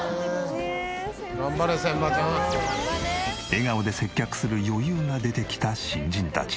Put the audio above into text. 笑顔で接客する余裕が出てきた新人たち。